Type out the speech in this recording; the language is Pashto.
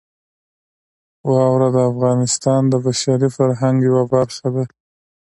واوره د افغانستان د بشري فرهنګ یوه برخه ده.